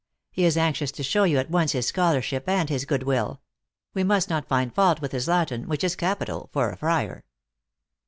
He is anxious to show you at once his scholarship and his good will. We must not find fault with his Latin, which is capital for a friar